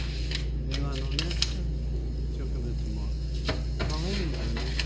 庭のね植物も可愛いのよね。